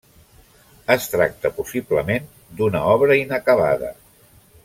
Es tracta, possiblement, d'una obra inacabada.